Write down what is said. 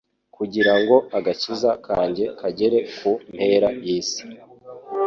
kugira ngo agakiza kanjye kagere ku mpera y'isi.